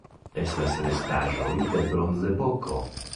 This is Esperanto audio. Estas restaĵoj de Bronzepoko.